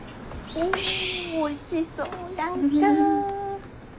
おおいしそうやんか。